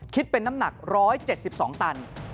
คิดเป็นน้ำหนัก๑๗๒ตัน